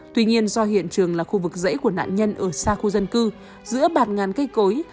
tuy nhiên do hiện trường là khu vực dãy của nạn nhân ở xa khu dân cư giữa bạt ngàn cây cối